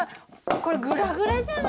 これグラグラじゃない。